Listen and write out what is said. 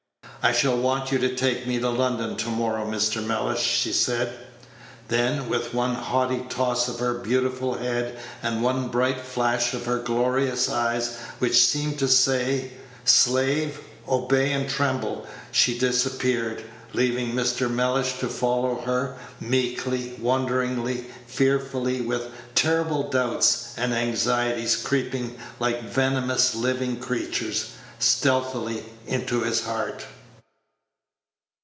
"I shall want you to take me to London to morrow, Mr. Mellish," she said. Then, with one haughty toss of her beautiful head, and one bright flash of her glorious eyes, which seemed to say, "Slave, obey and tremble!" she disappeared, leaving Mr. Mellish to follow her, meekly, wonderingly, fearfully, with terrible doubts and anxieties creeping, like venomous living creatures, stealthily into his heart.